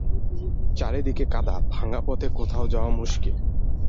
চারিদিকে কাদা, ভাঙা পথে কোথাও যাওয়া মুশকিল।